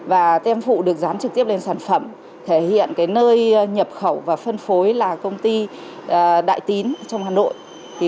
và tem phụ được dán trực tiếp lên sản phẩm thể hiện nơi nhập khẩu và phân phối là công ty đại tín trong hà nội